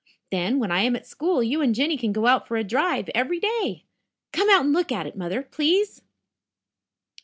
Then, when I am at school, you and Jinny can go out for a drive every day. Come out and look at it, Mother, please."